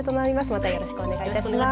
またよろしくお願いいたします。